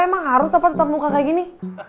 emang harus apa tetap muka kayak gini